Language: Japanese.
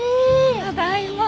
ただいま。